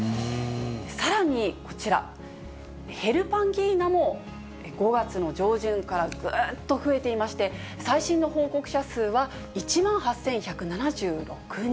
さらにこちら、ヘルパンギーナも５月の上旬からぐーっと増えていまして、最新の報告者数は１万８１７６人。